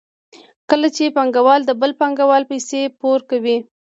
کله چې پانګوال د بل پانګوال پیسې پور کوي